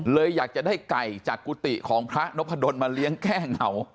อยากจะได้ไก่จากกุฏิของพระนพดลมาเลี้ยงแก้เหงา